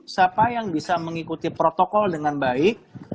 siapa yang bisa mengikuti protokol dengan baik